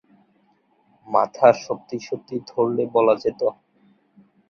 মাথা সত্যি সত্যি ধরলে বলা যেত।